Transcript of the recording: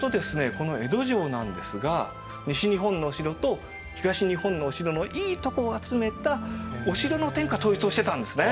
この江戸城なんですが西日本のお城と東日本のお城のいいとこを集めたお城の天下統一をしてたんですね。